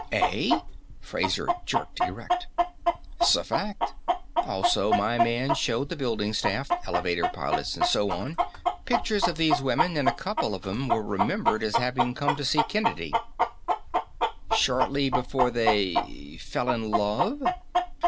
"Eh?" Fraser jerked erect. "'S a fact. Also, my man showed the building staff, elevator pilots and so on, pictures of these women, and a couple of 'em were remembered as having come to see Kennedy." "Shortly before they fell in love?"